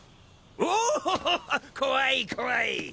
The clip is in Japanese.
おお怖い怖い。